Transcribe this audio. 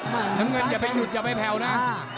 อย่าไปหยุดอย่าไปแผ่วนะ